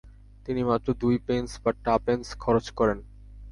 তিনি মাত্র দুই পেন্স বা টাপেন্স খরচ করেন।